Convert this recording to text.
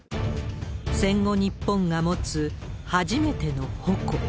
戦後日本が持つ初めての矛。